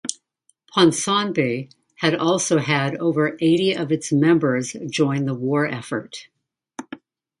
Ponsonby had also had over eighty of its members join the war effort.